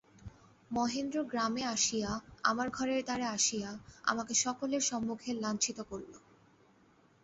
মহেন্দ্র গ্রামে আসিয়া, আমার ঘরের দ্বারে আসিয়া, আমাকে সকলের সম্মুখে লাজ্ঞিত করিল।